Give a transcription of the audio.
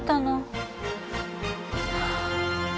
はあ。